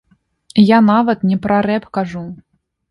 Я нават не пра рэп кажу.